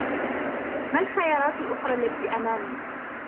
ما الخيارات الأخرى التي أمامي؟